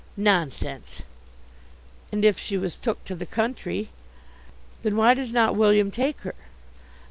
"Nonsense!" "And if she was took to the country." "Then why does not William take her?"